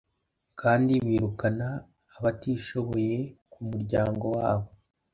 kandi birukana abatishoboye ku muryango wabo.